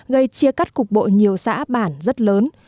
gây chia cắt cục bộ nhiều xã bản rất lớn